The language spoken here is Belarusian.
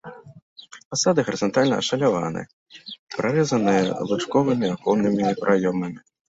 Фасады гарызантальна ашаляваны, прарэзаны лучковымі аконнымі праёмамі.